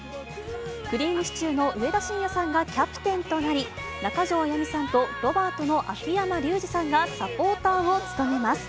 くりぃむしちゅーの上田晋也さんがキャプテンとなり、中条あやみさんとロバートの秋山竜次さんがサポーターを務めます。